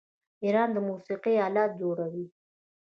ایران د موسیقۍ الات جوړوي.